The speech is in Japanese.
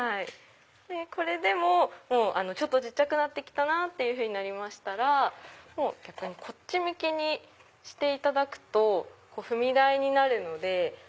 これでも小さくなって来たなっていうふうになりましたらこっち向きにしていただくと踏み台になるので。